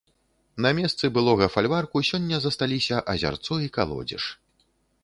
На месцы былога фальварку сёння засталіся азярцо і калодзеж.